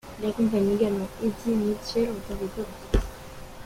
Il accompagne également Eddy Mitchell en tant que choriste.